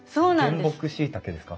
原木しいたけですか？